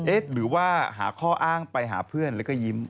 หรือว่าหาข้ออ้างไปหาเพื่อนแล้วก็ยิ้ม